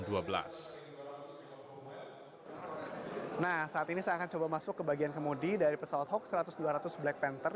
nah saat ini saya akan coba masuk ke bagian kemudi dari pesawat hawk seratus dua ratus black panther